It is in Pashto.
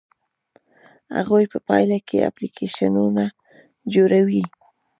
هغوی په پایله کې اپلیکیشنونه جوړوي.